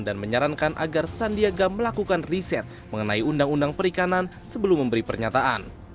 dan menyarankan agar sandiaga melakukan riset mengenai undang undang perikanan sebelum memberi pernyataan